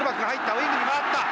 ウイングに回った。